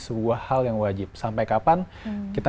sebuah hal yang wajib sampai kapan kita